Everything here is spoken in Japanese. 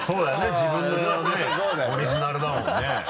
自分のねオリジナルだもんね。